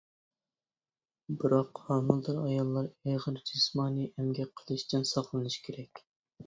بىراق، ھامىلىدار ئاياللار ئېغىر جىسمانىي ئەمگەك قىلىشتىن ساقلىنىشى كېرەك.